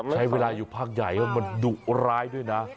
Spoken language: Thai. ใช้เวลาอยู่ภาคใหญ่แล้วมันดุร้ายด้วยนะ